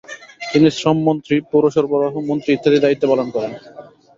তিনি শ্রমমন্ত্রী, পৌর সরবরাহ মন্ত্রী ইত্যাদি দায়িত্ব পালন করেন।